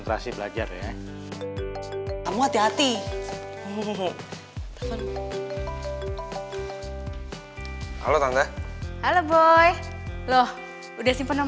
rambut ter prodigy